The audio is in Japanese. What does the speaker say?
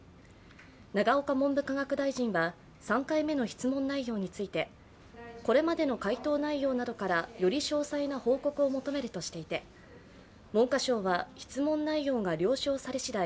永岡文部科学大臣は３回目の質問内容について、これまでの回答内容などから、より詳細な報告を求めるとしていて文科省は質問内容が了承されしだい